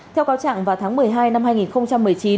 theo cáo trạng vào tháng một mươi hai năm hai nghìn một mươi chín